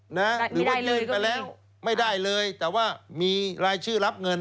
หรือว่ายื่นไปแล้วไม่ได้เลยแต่ว่ามีรายชื่อรับเงิน